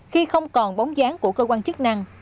khi không còn bóng dáng của cơ quan chức năng